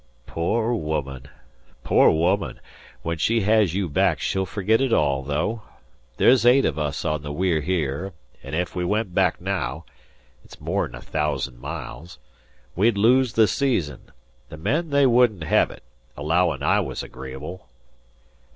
"Poor woman poor woman! When she has you back she'll forgit it all, though. There's eight of us on the We're Here, an' ef we went back naow it's more'n a thousand mile we'd lose the season. The men they wouldn't hev it, allowin' I was agreeable."